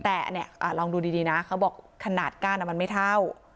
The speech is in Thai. แต่เนี้ยอ่าลองดูดีดีนะเขาบอกขนาดก้านอ่ะมันไม่เท่า